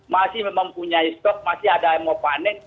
memang punya stok masih ada yang mau panen